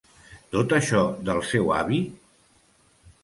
Tot això del seu avi?